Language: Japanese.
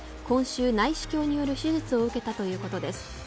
今週、内視鏡による手術を受けたということです。